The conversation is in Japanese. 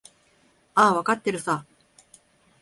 ああ、わかってるさ。